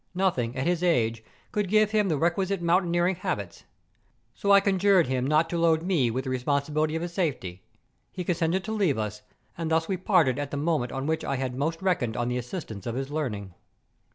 Nothing, at his age, could give him the requisite mountaineering habits. So I conjured him not to load me with the respon¬ sibility of his safety; he consented to leave us, and thus we parted at the moment on which I had most reckoned on the assistance of his learning.